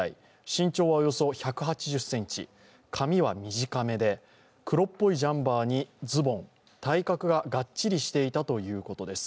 身長はおよそ１８０ｃｍ、髪は短めで、黒っぽいジャンパーにズボン、体格はがっちりしていたということです。